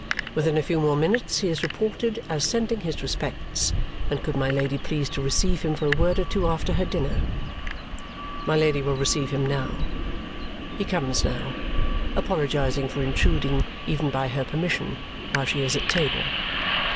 Within a few more minutes he is reported as sending his respects, and could my Lady please to receive him for a word or two after her dinner? My Lady will receive him now. He comes now, apologizing for intruding, even by her permission, while she is at table.